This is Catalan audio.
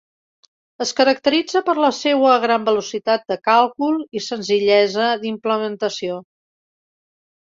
Es caracteritza per la seua gran velocitat de càlcul i senzillesa d'implementació.